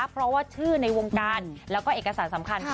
ก็ชื่อในวงการเอกสารสำคัญ